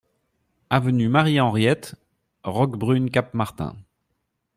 Avenue Marie Henriette, Roquebrune-Cap-Martin